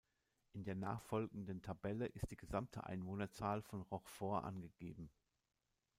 In der nachfolgenden Tabelle ist die gesamte Einwohnerzahl von Rochefort angegeben.